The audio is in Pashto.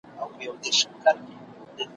بوی د مشکو د عنبر سو